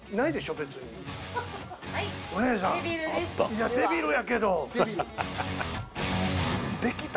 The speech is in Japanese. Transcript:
いやデビルやけど。